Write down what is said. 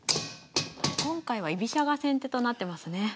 今回は居飛車が先手となってますね。